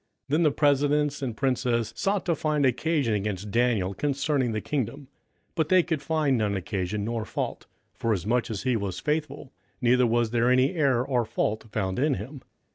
27:006:004 Then the presidents and princes sought to find occasion against Daniel concerning the kingdom; but they could find none occasion nor fault; forasmuch as he was faithful, neither was there any error or fault found in him.